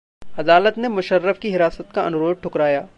अदालत ने मुशर्रफ की हिरासत का अनुरोध ठुकराया